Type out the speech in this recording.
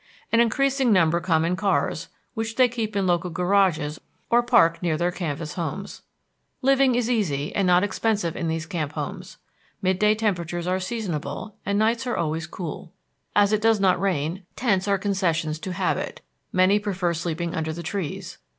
An increasing number come in cars, which they keep in local garages or park near their canvas homes. Living is easy and not expensive in these camp homes. Midday temperatures are seasonable, and nights are always cool. As it does not rain, tents are concessions to habit; many prefer sleeping under the trees.